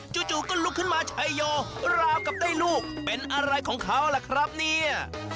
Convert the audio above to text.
จู่ก็ลุกขึ้นมาชัยโยราวกับได้ลูกเป็นอะไรของเขาล่ะครับเนี่ย